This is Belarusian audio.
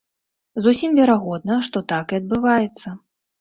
Зусім верагодна, што так і адбываецца.